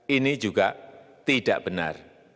ini juga tidak benar